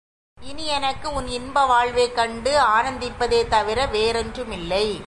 இனி எனக்கு உன் இன்ப வாழ்வைக் கண்டு ஆனந்திப்பதைத் தவிர வேறொன்றுமில்லை.